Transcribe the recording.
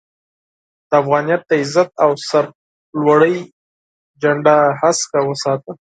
د افغانيت د عزت او سر لوړۍ جنډه هسکه وساته